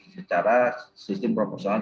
secara sistem perusahaan